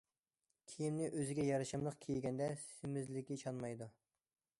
كىيىمنى ئۆزىگە يارىشىملىق كىيگەندە سېمىزلىكى چانمايدۇ.